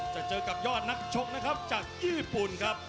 จะเจอกับยอดนักชกนะครับจากญี่ปุ่นครับ